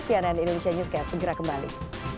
cnn indonesia newscast segera kembali